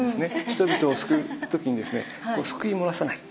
人々を救う時にですね救い漏らさない。